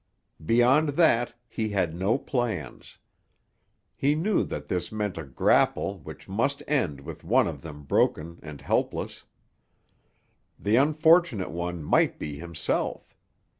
Beyond that he had no plans. He knew that this meant a grapple which must end with one of them broken and helpless. The unfortunate one might be himself.